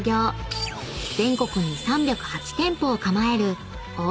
［全国に３０８店舗を構える］